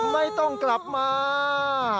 ไม่ต้องกลับมา